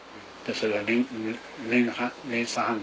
それが。